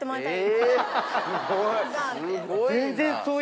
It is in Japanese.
すごい。